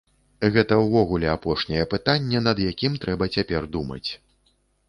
Гэта ўвогуле апошняе пытанне, над якім трэба цяпер думаць.